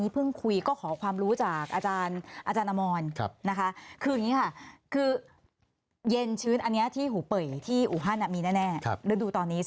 พึ่งพาปัจจัยของดินดินฟ้าอากาศ